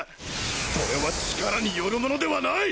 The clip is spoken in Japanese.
それは個性によるものではない！